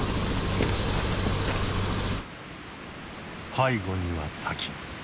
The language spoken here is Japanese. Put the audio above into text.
背後には滝。